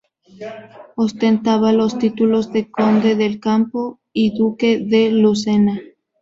Ostentaba los títulos de conde del Campo y duque de Lucena.